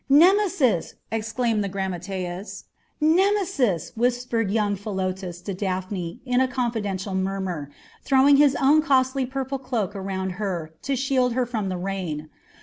"Nemesis!" exclaimed the grammateus. "Nemesis!" whispered young Philotas to Daphne in a confidential murmur, throwing his own costly purple cloak around her to shield her from the rain.